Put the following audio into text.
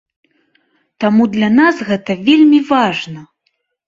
Таму для нас гэта вельмі важна!